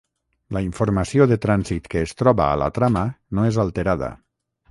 La informació de trànsit que es troba a la trama no és alterada.